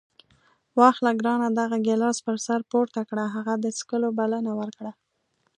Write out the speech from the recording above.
واخله ګرانه دغه ګیلاس پر سر پورته کړه. هغه د څښلو بلنه ورکړه.